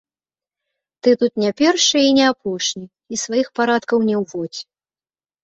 Ты тут не першы і не апошні і сваіх парадкаў не ўводзь.